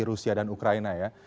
jadi rusia dan ukraina ya